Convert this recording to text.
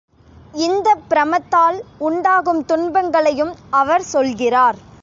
இந்தப் பிரமத்தால் உண்டாகும் துன்பங்களையும் அவர் சொல்கிறார்.